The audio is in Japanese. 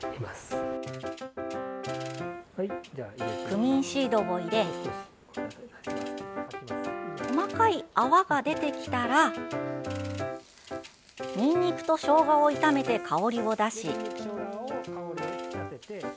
クミンシードを入れ細かい泡が出てきたらにんにくとしょうがを炒めて香りを出し。